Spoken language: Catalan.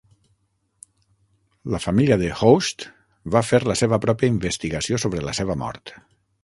La família de Host va fer la seva pròpia investigació sobre la seva mort.